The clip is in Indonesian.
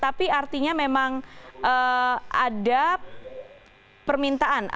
tapi artinya memang ada permintaan